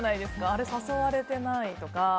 あれ、誘われてないとか。